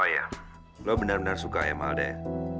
oh iya lo benar benar suka emel deh